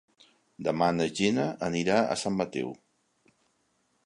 Demà na Gina anirà a Sant Mateu.